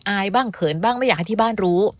อายบ้างเขินบ้างไม่อยากให้ที่บ้านรู้